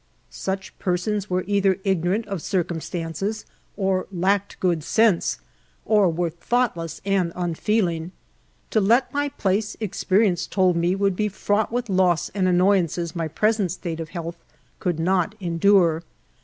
Such persons were either ignorant of circumstances, or lacked good sense, or were thoughtless and unfeeling. To let my place, experience told me would be fraught with loss and annoyances my present state of health could not endure.